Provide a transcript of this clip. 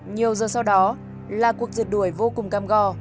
nhiều giờ sau đó là cuộc giật đuổi vô cùng cam go